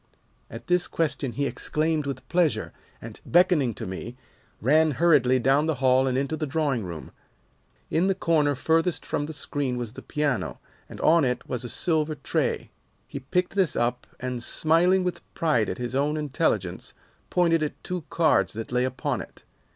"At this question he exclaimed with pleasure, and, beckoning to me, ran hurriedly down the hall and into the drawing room. In the corner furthest from the screen was the piano, and on it was a silver tray. He picked this up and, smiling with pride at his own intelligence, pointed at two cards that lay upon it.